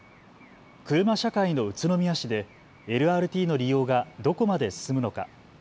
車社会の宇都宮市でＬＲＴの利用がどこまで進むのか。